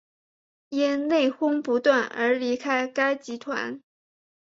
因内哄不断而离开该集团。